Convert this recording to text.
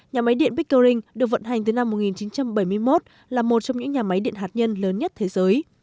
nhà máy điện pickering được vận hành từ năm một nghìn chín trăm bảy mươi một là một trong những nhà máy điện hạt nhân lớn nhất thế giới